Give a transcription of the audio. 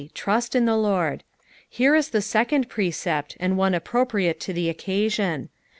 Trasl in Iht Lord." Here is the second precept, and one appropriate to the occasion.